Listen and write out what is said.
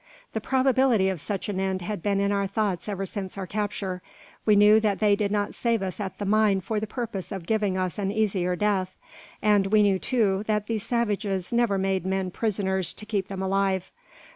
The probability of such an end had been in our thoughts ever since our capture. We knew that they did not save us at the mine for the purpose of giving us an easier death; and we knew, too, that these savages never made men prisoners to keep them alive.